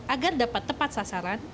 agar dapat tepat sasaran